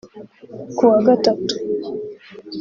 ku wa Gatatu